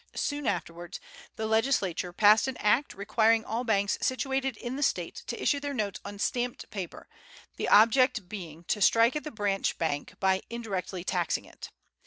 Soon afterwards the Legislature passed an Act requiring all banks situated in the State to issue their notes on stamped paper, the object being to strike at the branch bank by indirectly taxing it.